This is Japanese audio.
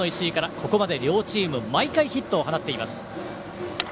ここまで両チーム毎回ヒットを放っています。